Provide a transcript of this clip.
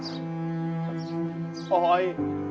สวัสดี